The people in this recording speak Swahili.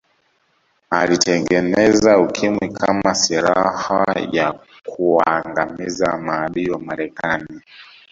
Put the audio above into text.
alitengeneza ukimwi kama siraha ya kuwaangamiza maadui wa marekani